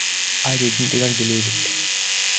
I didn't even believe it.